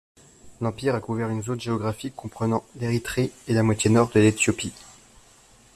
L'empire a couvert une zone géographique comprenant l'Érythrée et la moitié nord de l'Éthiopie.